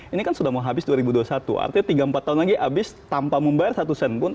ini kan sudah mau habis dua ribu dua puluh satu artinya tiga empat tahun lagi habis tanpa membayar satu sen pun